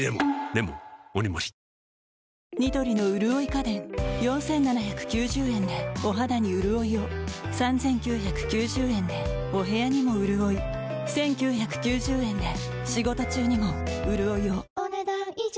さらに４，７９０円でお肌にうるおいを３，９９０円でお部屋にもうるおい１，９９０円で仕事中にもうるおいをお、ねだん以上。